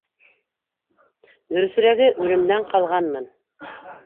Дөрөҫөрәге, үлемдән ҡалғанмын.